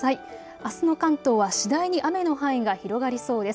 あすの関東は次第に雨の範囲が広がりそうです。